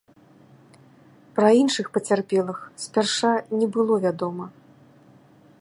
Пра іншых пацярпелых спярша не было вядома.